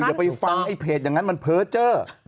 อย่าไปฟังให้เพจมันเผลอเจอ